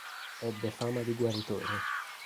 Ebbe fama di guaritore.